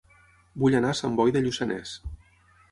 Vull anar a Sant Boi de Lluçanès